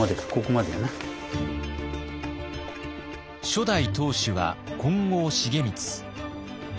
初代当主は金剛重光。